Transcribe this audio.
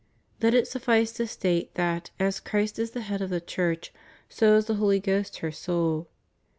Let it suffice to state that, as Christ is the Head of the Church, so is the Holy Ghost her soul.